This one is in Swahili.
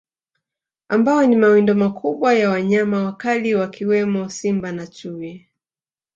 Ambao ni mawindo makubwa ya wanyama wakali wakiwemo Simba na Chui